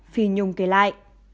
phi nhung kể lại